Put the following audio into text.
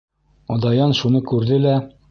Даян шуны күрҙе лә...